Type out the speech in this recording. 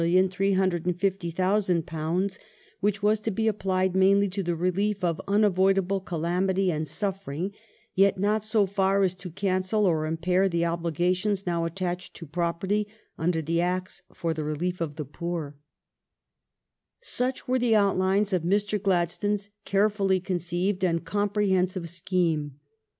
Of this, the Bill disposed of £8,650,000,^ leaving a surplus of about £7,350,000, which was to be applied mainly to the relief " of un avoidable calamity and suffering, yet not so as to cancel or impair the obligations now attached to property under the Acts for the relief of the poor ".^ Such were the outlines of Mr. Gladstone's carefully conceived and comprehensive scheme.